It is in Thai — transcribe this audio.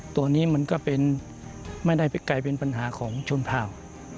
ตัวนี้มันก็ไม่ได้กลายเป็นปัญหาของชมพราว